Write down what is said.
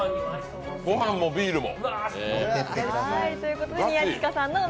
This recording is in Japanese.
ご飯もビールも。